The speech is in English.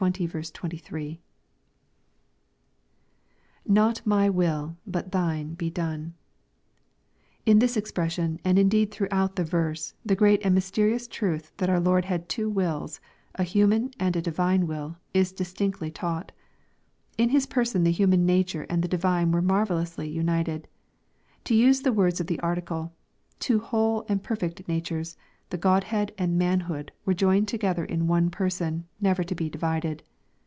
[Not my wiUj hut thme^ he done^ In this expression, and indeed throughout the verse, the great and mysterious truth that our Lord had two wills, a human and a divine will, is distinctly taught. In His Person the human nature and the divine were marvellously united. To use the words of the Article, " Two whole and perfect natures, the godhead and manhood, were joined together in one Person, never to be divided."